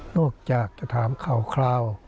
นอกจากจะถามคราว